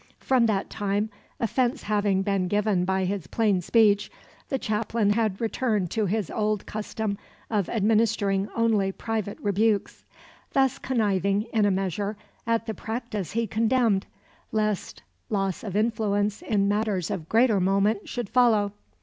From that time, offence having been given by his plain speech, the chaplain had returned to his old custom of administering only private rebukes; thus conniving, in a measure, at the practice he condemned, lest loss of influence in matters of greater moment should follow.